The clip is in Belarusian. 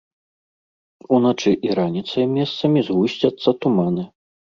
Уначы і раніцай месцамі згусцяцца туманы.